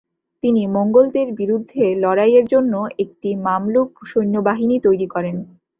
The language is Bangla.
তিনি মঙ্গোলদের বিরুদ্ধে লড়াইয়ের জন্য একটি মামলুক সৈন্যবাহিনী তৈরি করেন।